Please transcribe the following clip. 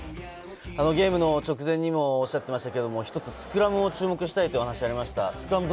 ゲーム直前におっしゃっていましたけれど、スクラムに注目したいというお話でした。